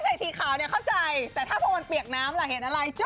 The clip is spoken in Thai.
ใส่สีขาวเข้าใจแต่ถ้าเพราะมันเปียกน้ำหล่ะเหตุอะไรจุ๊บ